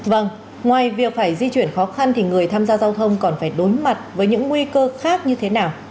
vâng ngoài việc phải di chuyển khó khăn thì người tham gia giao thông còn phải đối mặt với những nguy cơ khác như thế nào